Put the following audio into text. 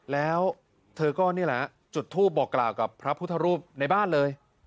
แล้วเธอก็นี่แหละจุดทูปบอกกล่าวกับพระพุทธรูปในบ้านเลย